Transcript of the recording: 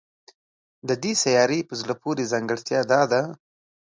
د دې سیارې په زړه پورې ځانګړتیا دا ده